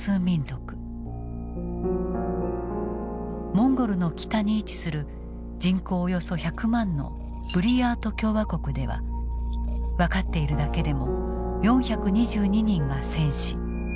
モンゴルの北に位置する人口およそ１００万のブリヤート共和国では分かっているだけでも４２２人が戦死。